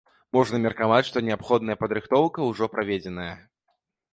Можна меркаваць, што неабходная падрыхтоўка ўжо праведзеная.